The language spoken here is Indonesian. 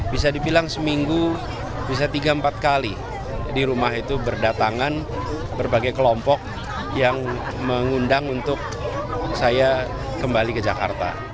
bisa dibilang seminggu bisa tiga empat kali di rumah itu berdatangan berbagai kelompok yang mengundang untuk saya kembali ke jakarta